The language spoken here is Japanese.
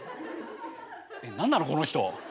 えっ何なのこの人。